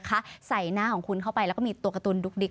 ใส่หน้าของคุณเข้าไปแล้วก็มีตัวการ์ตูนดุ๊กดิ๊ก